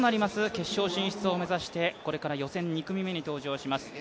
決勝進出を目指してこれから予選２組目に登場します。